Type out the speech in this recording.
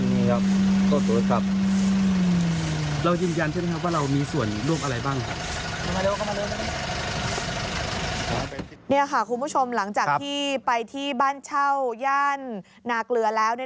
นี่ค่ะคุณผู้ชมหลังจากที่ไปที่บ้านเช่าย่านนาเกลือแล้ว